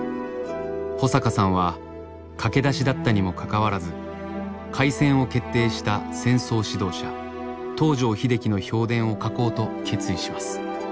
保阪さんは駆け出しだったにもかかわらず開戦を決定した戦争指導者東條英機の評伝を書こうと決意します。